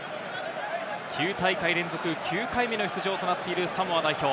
９大会連続、９回目の出場となっているサモア代表。